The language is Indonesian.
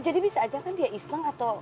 jadi bisa aja kan dia iseng atau